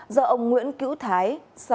do ông nguyễn cữu thái